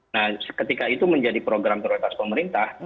nah ketika itu menjadi program prioritas pemerintah